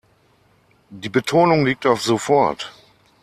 Die Betonung liegt auf sofort.